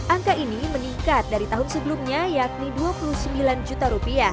angka ini meningkat dari tahun sebelumnya yakni rp dua puluh sembilan juta